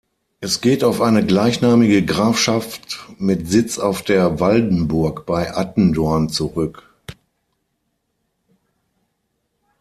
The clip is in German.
Es geht auf eine gleichnamige Grafschaft mit Sitz auf der Waldenburg bei Attendorn zurück.